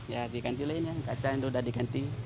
ya dikanti lainnya kacang itu sudah dikanti